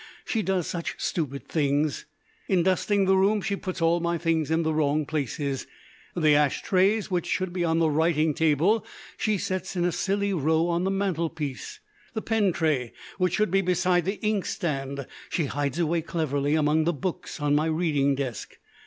She does such stupid things. In dusting the room she puts all my things in the wrong places. The ash trays, which should be on the writing table, she sets in a silly row on the mantelpiece. The pen tray, which should be beside the inkstand, she hides away cleverly among the books on my reading desk.